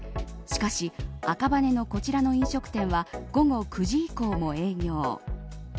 しかし、赤羽のこちらの飲食店は午後９時以降も営業。